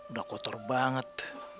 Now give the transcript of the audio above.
udah kotor banget